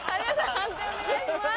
判定お願いします。